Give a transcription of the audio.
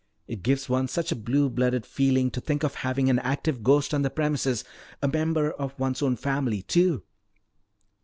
It gives one such a blue blooded feeling to think of having an active ghost on the premises. A member of one's own family, too!"